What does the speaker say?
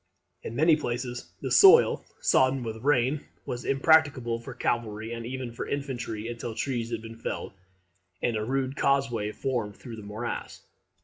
In many places the soil, sodden with rain, was impracticable for cavalry and even for infantry, until trees had been felled, and a rude causeway formed through the morass.